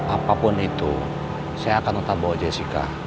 apapun itu saya akan tetap bawa jessica